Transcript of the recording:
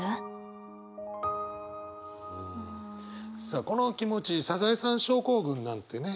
さあこの気持ち「サザエさん症候群」なんてね